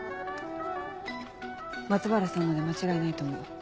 松原さんので間違いないと思う。